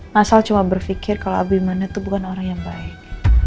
masal cuma berpikir kalau abiman itu bukan orang yang baik